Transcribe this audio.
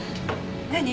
何？